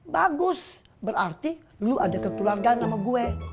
bagus berarti lu ada kekeluargaan sama gue